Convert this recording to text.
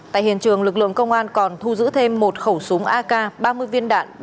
tại hiện trường lực lượng công an còn thu giữ thêm một khẩu súng ak ba mươi viên đạn